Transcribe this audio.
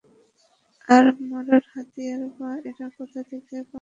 আর মারার হাতিয়ারই বা এরা কোথা থেকে পাবে?